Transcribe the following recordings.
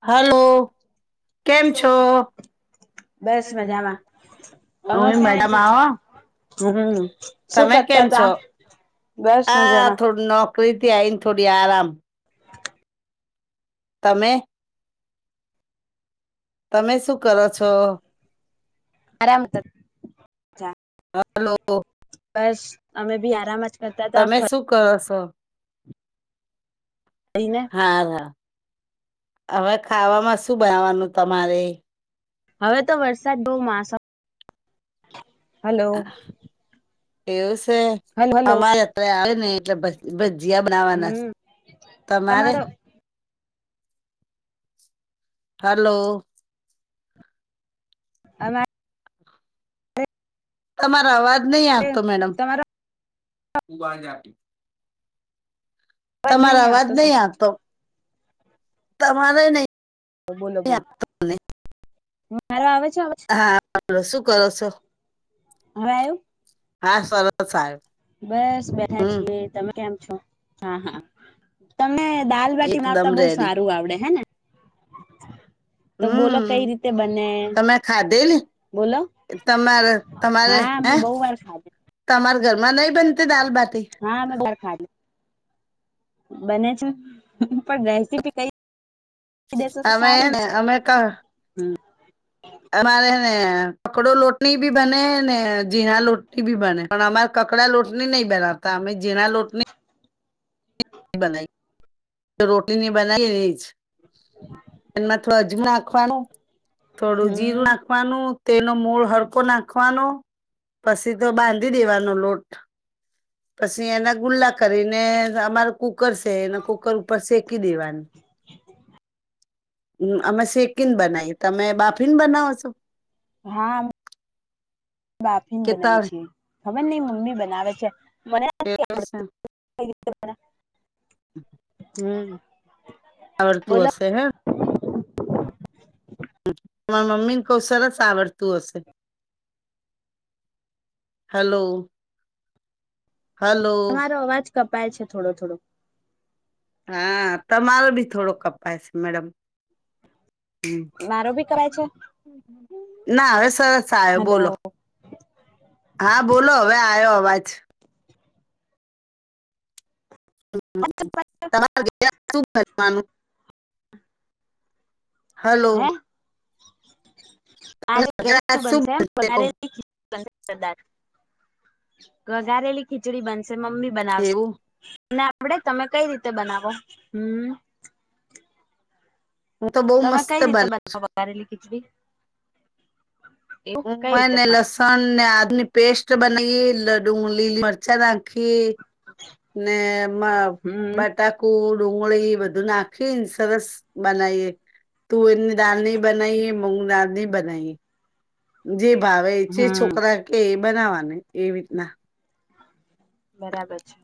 Hello. કેમ છો? બસ મજામાં હ તમે કેમ મેડમ આવો. છો હમ શું તમે કેમ કરતા તા છો? બસ હા! મજામાં થોડી નોકરીથી આઈને, થોડી આરામ. તમે? તમે શું કરો છો? આરામતે. હાલો. બસ. અમે બી આરામ. કરતા હતા તમે શું કરો છો? ફરીને હા હા! હવે ખાવામાં શું બનાવાનું તમારે? હવે તો વરસાદ બહુ માસમ. હલો. એવું સે. હલો હલો અમારી યાત્રા આવે ને એટલે બધ. જિયા બનાવાના. હમ તમારે? તમારો હલો. [inaudible] તમારો અવાજ નહી આપતો મેડમ. તમારો તમારો અવાજ નહી આવતો. તમારે નહી. બોલો બોલો. આવતો મારો આવે? છે અવાજ હા! શું કરો છો? અવે આયુ? હા સરસ આવ્યો બસ બેઠા હમ છીએ. તમે કેમ? હા હા! તમે દાલબટી એકદમ માવતા બહુ રેડી સારું આવડે. હેને? હમ! કઈ રીતે બને તમે ખાધેલી? બોલો તમારે તમારે. અમે હા બહુ વાર ખાધે તમારા ઘરમાં નહી બનતી દાલબટી? હા અમે બાર ખાધી બને છે. પણ રેસીપી કઈ. દસો તો સારી મ અમેને છે એમ. અમે અમારેને કકડો લોટની ભી બને ને, ઝીણા લોટની ભી બને. પણ અમારે કકડા લોટની નહી બનાવતા. અમે ઝીણા લોટની. બનાવી. રોટી નની બનાવીની જ. એમાંથી અજમું નાખવાનું. થોડું જીરું હમ નાખવાનું. તેનો મૂળ હડકો નાખવાનો. પછી તો બાંધી દેવાનો લોટ. પછી, એના ગુલ્લા કરીને અમાર. કુકર છે. એને કુકર ઉપર શેકી દેવાનું. હમ અમે શેકીને બનાવીએ. તમે બાફીને બનાવો છો? હા! બાફીને કે બનાય તળ છે. ખબર નહી મમ્મી બનાવે છે. મને [unintelligible] હમ આ વડતું બોલો હશે હે. રા મમ્મી નુ બહુ સરસ આવડતું હશે. હલો હલો તમારો અવાજ કપાય છે થોડો થોડો હા તમારો ભી થોડો કપાય સે મેડમ હમ મારો બી કપાય છે ના હવે સરસ આયો હલો બોલો હા બોલો હવે આયો અવાજ તમાર [inaudible] શું બનવાનુ હલો હે આજે ઘરે શું બનશે એમ વઘારેલી ખિચડી બનશે કદાચ ઘઘારેલી ખીચડી બનશે મમ્મી બનાવશે એવું તમને આવડે તમે કઈ રીતે બનાવો હમ હું તો બહુ તમે મસ્ત કઈ બના રીતે બનાવો વઘારેલી ખીચડી એવું હું કઈ રીતે હેને લસણ ને આદુની પેસ્ટ બનાઈએ લડુગ લીલી મરચા નાખીએ ને એમા પણ હમ બટાકુટ ડુંગળી બધુ નાખીને સરસ બનાએ તુવેરની દાલની બનાઈ મૂગની દાલ નહી બનાએ જે ભાવે જે હમ છોકરા કે એ બનાવાની એ રીતના બરાબર છે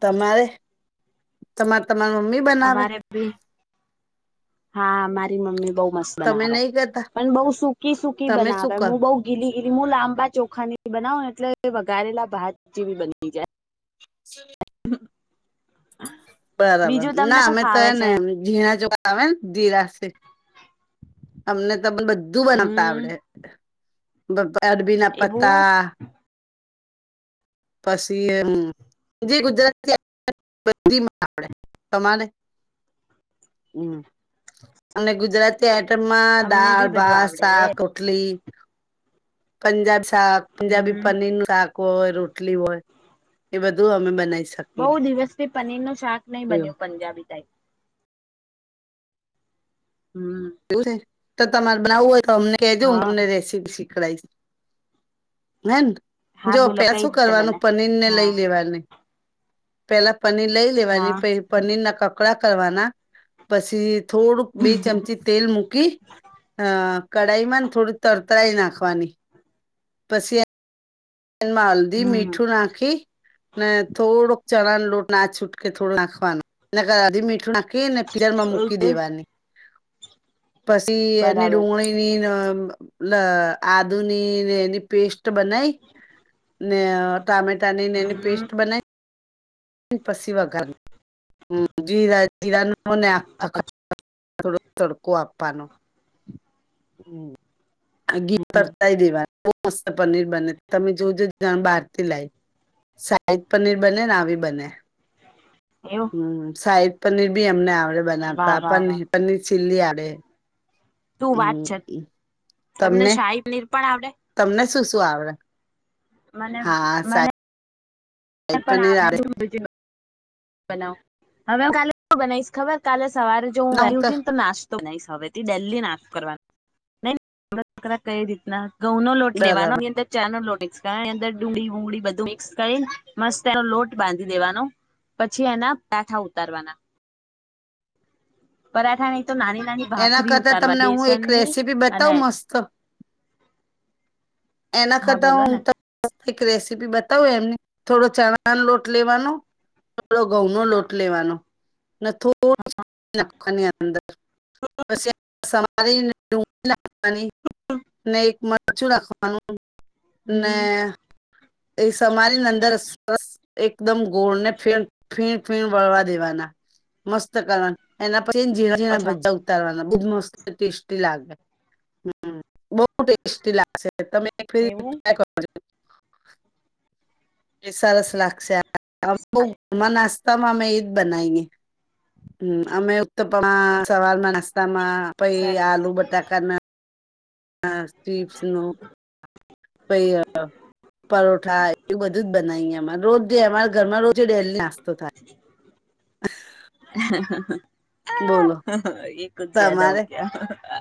તમાર અમારે બી હા મારી મમ્મી બઉ મસ્ત તમે બનાવે નહી કરતા પણ બઉ સૂકી સૂકી તમે શું બનાવે કરો હું બઉ ગીલી ગીલી હું લાંબા ચોખાની બનાવ ને એટલે વ ઘારેલા ભાત જેવી બની જાય શ બરાબર બીજું તમને ના શું અમે તો ફાવે હેને છે? જીણા ચોખા આવે ન જીરાસે અમને બધુ બનાવતા હમ્મ આવડે અરબી ના એવું પત્તા પસી એ હમ જે ગુજરાત [inaudible] બધી [inaudible] આવડે તમારે હમ અને ગુજરાતી આ ઇટમા અમને દાળ બી બધું ભાત આવડે સાક ઓટલી શાક પંજાબી હમ્મ. પનીર નું શાક હોય રોટલી હોય એ બધુ અમે બનાએ બહુ દિવસથી પનીર ન શાક નહી એવું બન્યુ પંજાબી ટાઇપ હમ્મ એવુ છે તો તમારે બનાવવુ હોય તો અમને કેજો હું હા તમને રેસીપી શીખડાઇસ હેન હા જો બોલો પેલા કઈ શું રીતે કરવાનુ બને? પનીર ને હા લઈ લેવાની પેલા પનીર લઈ લેવાની હા પહી પનીર ના કકડા કરવાના પસી થોડુંક બે ચમચી તેલ મૂકી અ કઢાઈમા થોડુ તર કરી નાખવાની પસી મા હલ્દી હમ્મ મીઠું નાખી ને થોડુંક ચણા ન લોટ ના છૂટકે થોડો નાખવાનો નકર હરી મીરચ નખીને પિલરમાં મૂકી ઓકે દેવાની પસી એને બરાબર ડુંગળીની અ અ આદુની એની પેસ્ટ બનાય ને ટામેટાની ને એની હમ્મ પેસ્ટ બનાઈ પસી વઘાર [unintelligible] હમ જીરા જીરા આખા [inaudible] થોડોક તડકો આપવાનો હમ ઘી હમ્મ તરતાય દેવાનુ બઉ મસ્ત પનીર બને તમે જોજો બહારથી લાઇને સાહિદ પનીર બને ને આવી બને એવું હમ સાઈડ પનીર બી એમને આવડે વાહ બનાવતા વાહ પન વાહ. પનીર ચિલ્લી આવડે શું હમ વાત છે તમને શાહી પનીર પણ આવડે તમને શું શું આવરે મને મને સાઈદ પણ પનીર આપણે આવડે બહ બવ હવે કા બનાવીશ ખબર કાલે સવારે જો હું બેઠ ઉઠી ને તો નાસ્ નહી હવે થી ડેલી નાખ કરવાનું નહી કઈ રીતના ઘઉંો લો લેવાનો ડર ની અંદર ચા નો લોટ લ ્ અર ડુંગળી વુંગળી બધું મિક્સ કરીને મસ્ત એનો લોટ બાંધી દેવાનો પછી એના પઠા ઉતારવાના પરાઠા ન એના કરતા તમને હું એક રેસીપી બતાવ અને મસ્ત એના હા કરતા બોલો હું ને એક રેસીપી બ ત એમ થોડો ચણાનો લોટ લેવાનો થોડો ઘઉં નો લોટ લેવાનો નથો નાખની અંદર બ અમારે ડુંગળી નાખવાની ને એક મરચું નાખવાનું ને હમ એ સમારી અંદર સરસ એકદમ ગોળને ફ ફીણ ફીણ વળવા દેવાના મસ્ત કરવા એના ણા અચ્છા બધા ઉતારવાના બ મસ્ત ટેસ્ટી લાગે હ બઉ ટેસ્ટી લાગશે તમે એવું એકાય કર એ સરસ લાગશે બ મ માં અમે ઈદ બનાવીએ હમ અમે ઉક્ત સવાલમાં નાસ્તા માં પઈ સરસ આલુ બટાકાના હ સ્્ટવીપસ ન ભૈયા પરોઠા એવું બધું જ બનાવીએ અમા રોજ અમારા ઘરમાં રોજ ડેલી નાસ્તો થાય [unintelligible] બોલો એછ જ્યાદા હો તમારે ગયા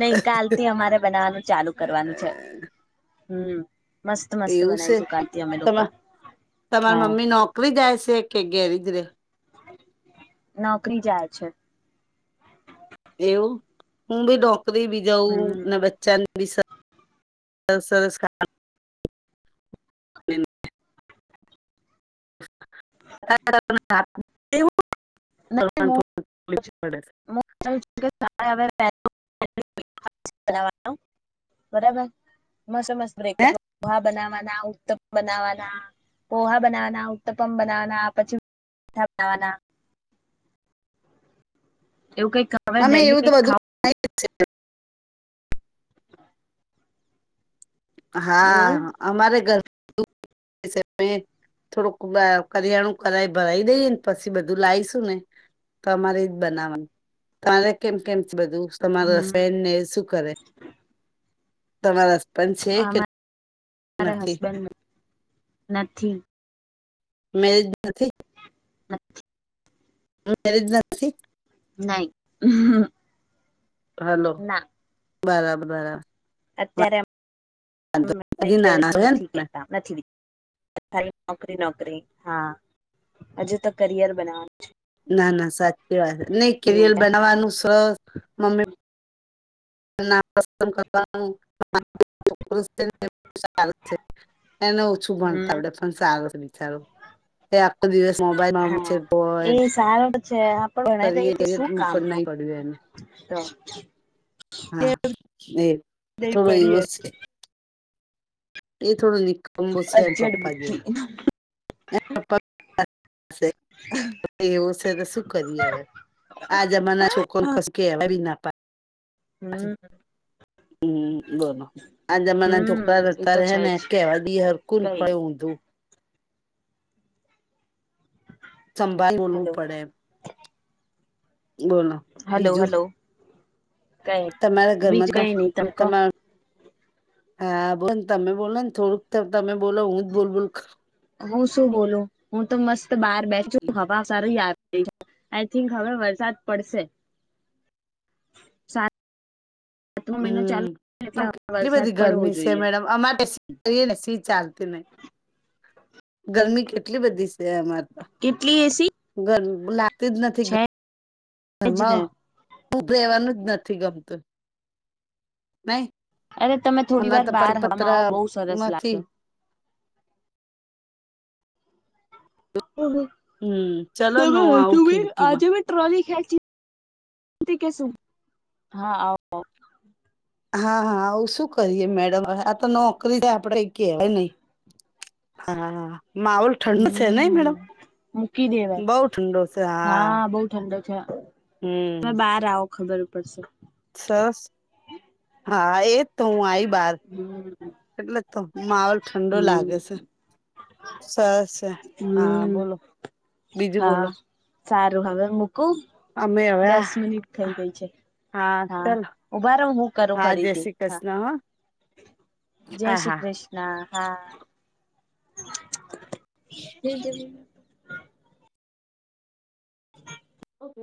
નઈ કાલ થી અમારે બનાવાનું ચાલુ કરવાનું છે હમ મસ્ત મસ્ત એવું છે બનાવીશું કાલથી અમે લોકો તમા તમાર હા મમ્મી નોકવી જાય છે શેકે ગેરદ્ર નોકરી જાય છે એવું હું બી નોકરી બી હમ જઉં બચ્ચાની વિશસ્કાર નહીં, હું- [unintelligible] હવે બરાબર મસ્ મસ્ત બ્રેકઅપ લોહા બનાવવાના આવ ઉતમ બનાવાના પોહા બનાવાના ઉત્તપમ બનાવાના પછી થવાના [inaudible] એવું કંઈક ખબર અમે દેલી એવું તો કંઈક ખ બધું હ હા અમારે ઘર થોડુંક કરિયાણું કરાય ભરાઈ દઈએ ને પછી બધું લાવીશું ને તમારે જ બનાવાનું તમારે કેમ કેમ બધું તમારા ફેન હમ ને શું કરે તમાર પં છે કે અમારા નથી હસબન્ડ નથી મે જ નથી અચ મેરેજ નથી ના હ હલો બરાબર બરાબર અત્યારેએમ વાંધો નઈ હજી નાના છો [unintelligible] એમ નથી તમે કેતા નથી અત્યારે નોકરી નોકરી હા હજુ તો કરિયર બનાવાનું ના ના સાચી વાત નહી એવું કેરિયર છે બનાવવાનું સ મમ્મી [unintelligible] કરવાનું સારું એને ઓછું ભણતા આપડે હમ પણ સારો છે બિચારો એ દિવસ મોબાઈલમાં હા મચેડ તો હોય એ સારો છે પણ ફ ભણાઈ રહી તો શું કામ ન નહી પડ્યું એને તો હા કેમ એ નહી થોડો પડી એવોસે એ થોડો નિકખમ બો છે એના અજડ પપ્પા બુદ્ધિ જેઓ એ પપ્પા [unintelligible] એવું છે તો શું કરીએ હવે આ જમાના છોકનેક કશું કેવાય ના પાડે હમ હમ [unintelligible] આ જમાના છોકરા હમ એ તો અત્યારે છે હેને જ કેવાયબી હરખું કઈ તોય ઊંધુ સંભાળ બોલવું હલો પડેમ બોલો હલો બીજું હલો કઈ તમારા બીજ ઘરમાં કઈ પણ નહી તમે કહો તમારા હા બોને તમે બોલો ને થોડુંક તમે બોલો હું જ બોલ બોલ હું શું બોલું હું તો મસ્ત બહાર બેઠું હવા સારું યાદ આઈ થિંક હવે વરસાદ પડશે સાતમો મહિનો ચાલુ હમ એટલે પણ કેટલી વરસાદ બધી પડવો ગરમી છે જોઈએ મેડમ અમારે હ નસી ચ આાલતીને ગરમી કેટલી બધી છે અમારે તો કેટલી એસી ગરમી લાગતી જ નથી છે જ ઘરમાં ને શું રહેેવાનું નથી ગમતું નઈ અરે તમે થોડી ઓના વાર તો બહાર હવામાં આવો પતરા બહુ સરસ નથી લાગશે હમ ચલો ન તમે હ તું આવું ભી ખીડકીમાં આજે ભી ટ્રોલી ખે [unintelligible] હા આવ હા હા આવું શું કરીએે મેડમ આ તો નોકરી આપડે કેહેવાય નહી હા માહોલ ઠંડૉ શે નહી હમ મેડમ મૂકી દેવાય બઉ ઠંડો શે હા બહુ ઠંડો છે તમે હમ બહાર આવો ખબર પડશે સરસ હા એજ તો હું આઈ બાર હમ એટલે તો માવલ ઠંડો હમ લાગે છે સરસ હા હમ બોલો બીજું હા બોલો સારું હવે મૂકું અમે હવે આ દસ મિનિટ થઇ ગઈ છે હા ઉભા ર હું કરું હા જય ફરીથી શ્રી હા કૃષ્ણ હ જય હા શ્રી હા કૃષ્ણ હા શ [inaudible]